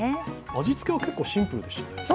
味付けは結構シンプルでしたね。